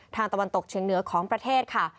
ตะวันตกเชียงเหนือของประเทศค่ะ